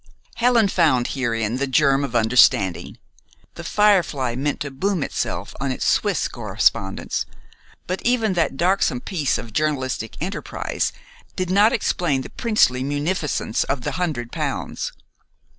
Helen found herein the germ of understanding. "The Firefly" meant to boom itself on its Swiss correspondence; but even that darksome piece of journalistic enterprise did not explain the princely munificence of the hundred pounds.